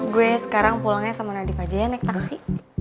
gue sekarang pulangnya sama nadief aja ya naik taksi